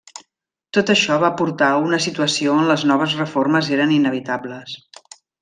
Tot això va portar a una situació on les noves reformes eren inevitables.